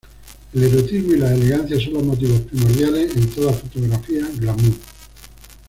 El erotismo y la elegancia son los motivos primordiales en toda fotografía glamour.